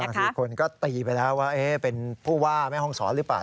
บางทีคนก็ตีไปแล้วว่าเอ๊ะเป็นผู้ว่าแม่ฮองศรหรือเปล่า